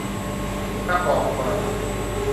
กระบอกโทรศัพท์